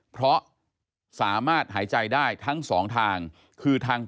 เพราะสามารถหายใจได้ทั้งสองทางคือทาง